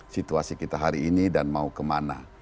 situasi kita hari ini dan mau kemana